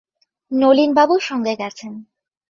নলিনবাবু সঙ্গে গেছেন।